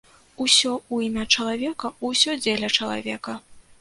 Усё ў імя чалавека, усё дзеля чалавека!